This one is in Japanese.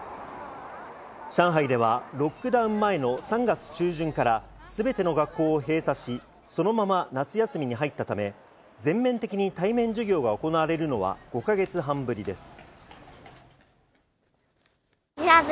上海ではロックダウン前の３月中旬からすべての学校を閉鎖し、そのまま夏休みに入ったため、全面的に対面授業が行われるのは５か月半ぶりです。